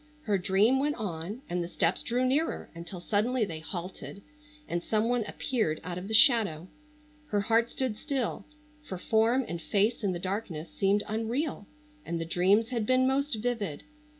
Her dream went on and the steps drew nearer until suddenly they halted and some one appeared out of the shadow. Her heart stood still, for form and face in the darkness seemed unreal, and the dreams had been most vivid.